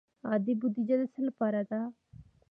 عادي بودجه د څه لپاره ده؟